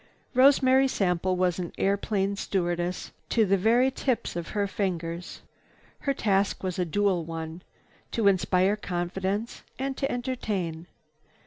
Rosemary Sample was an airplane stewardess to the very tips of her fingers. Her task was a dual one, to inspire confidence and to entertain.